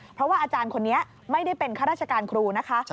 เพราะว่าอาจารย์คนนี้ไม่ได้เป็นข้าราชการครูนะคะ